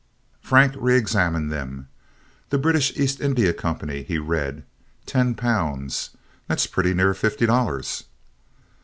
Frank reexamined them. "The British East India Company," he read. "Ten pounds—that's pretty near fifty dollars."